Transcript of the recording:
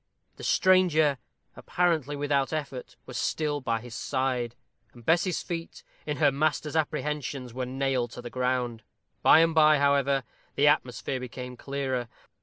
The stranger, apparently without effort, was still by his side, and Bess's feet, in her master's apprehensions, were nailed to the ground. By and by, however, the atmosphere became clearer.